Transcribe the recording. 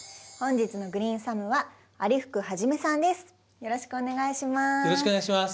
よろしくお願いします。